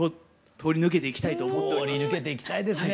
通り抜けて行きたいですね。